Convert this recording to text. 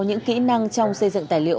những kỹ năng trong xây dựng tài liệu